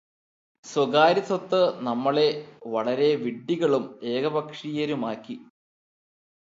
സ്വകാര്യ സ്വത്ത് നമ്മെ വളരെ വിഡ്ഢികളും ഏകപക്ഷീയരുമാക്കി